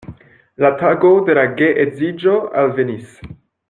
La tago de la geedziĝo alvenis.